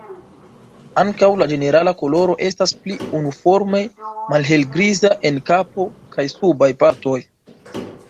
Ankaŭ la ĝenerala koloro estas pli uniforme malhelgriza en kapo kaj subaj partoj.